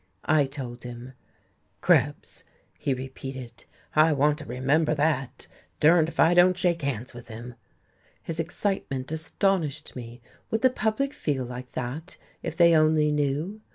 I told him. "Krebs," he repeated. "I want to remember that. Durned if I don't shake hands with him." His excitement astonished me. Would the public feel like that, if they only knew?...